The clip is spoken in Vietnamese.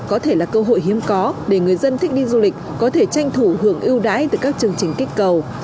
có thể là cơ hội hiếm có để người dân thích đi du lịch có thể tranh thủ hưởng ưu đãi từ các chương trình kích cầu